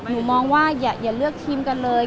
หนูมองว่าอย่าเลือกทีมกันเลย